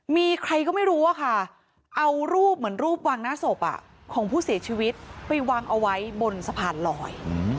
มีใครก็ไม่รู้อะค่ะเอารูปเหมือนรูปวางหน้าศพของผู้เสียชีวิตไปวางเอาไว้บนสะพานลอย